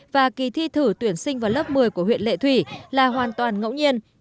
và kỳ thi thử tuyển sinh vào lớp một mươi của huyện lệ thủy là hoàn toàn ngẫu nhiên